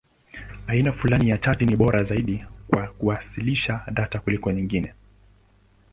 Aina fulani za chati ni bora zaidi kwa kuwasilisha data kuliko nyingine.